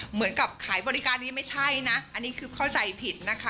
เหมือนกับขายบริการนี้ไม่ใช่นะอันนี้คือเข้าใจผิดนะคะ